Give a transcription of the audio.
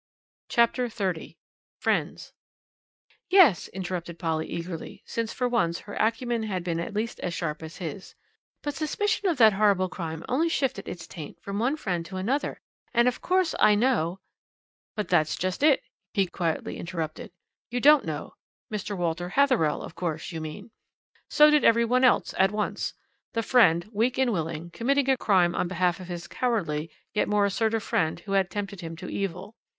CHAPTER XXX FRIENDS "Yes," interrupted Polly eagerly, since, for once, her acumen had been at least as sharp as his, "but suspicion of that horrible crime only shifted its taint from one friend to another, and, of course, I know " "But that's just it," he quietly interrupted, "you don't know Mr. Walter Hatherell, of course, you mean. So did every one else at once. The friend, weak and willing, committing a crime on behalf of his cowardly, yet more assertive friend who had tempted him to evil.